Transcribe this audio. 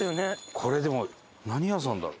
これでも何屋さんだろう？